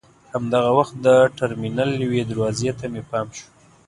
همدغه وخت د ټرمینل یوې دروازې ته مې پام شو.